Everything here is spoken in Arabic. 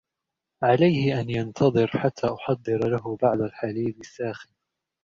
عليه أن ينتظر حتى أحضر له بعض الحليب الساخن.